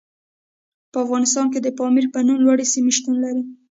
په افغانستان کې د پامیر په نوم لوړې سیمې شتون لري.